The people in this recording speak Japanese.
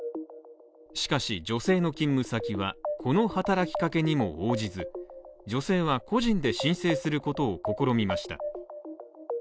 しかし、女性の勤務先はこの働きかけにも応じず、女性は個人で申請することを試みました。